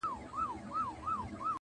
او خلک فکر کوي ډېر-